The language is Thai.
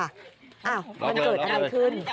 อ้าวมันเกิดอะไรขึ้น